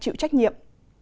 chịu trách nhiệm